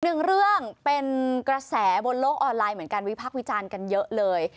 หนึ่งเรื่องเป็นกระแสบนโลกออนไลน์เหมือนกันวิพักษ์วิจารณ์กันเยอะเลย